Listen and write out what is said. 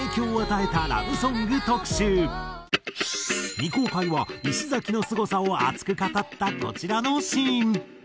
未公開は石崎のすごさを熱く語ったこちらのシーン。